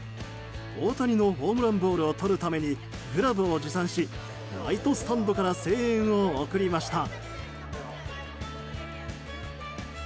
大谷のホームランボールをとるためにグラブを持参しライトスタンドから声援を送りました。